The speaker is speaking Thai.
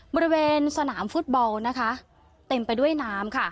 บริเวณสนามฟุตบอลนะคะเต็มไปด้วยน้ำค่ะ